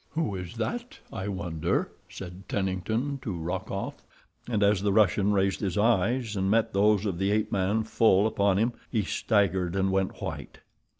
"Who is that, I wonder," said Tennington to Rokoff, and as the Russian raised his eyes and met those of the ape man full upon him, he staggered and went white.